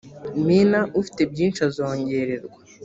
mina ufite byinshi azongererwa